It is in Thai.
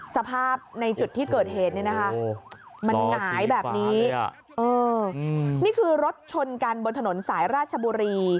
สภาพในจุดที่เกิดเหตุเนี่ยนะคะมันหงายแบบนี้นี่คือรถชนกันบนถนนสายราชบุรี